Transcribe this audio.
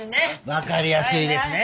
わかりやすいですねえ。